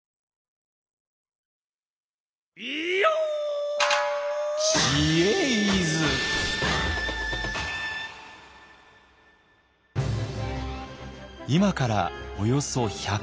今からおよそ１５０年前。